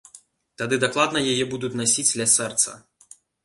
Тады дакладна яе будуць насіць ля сэрца!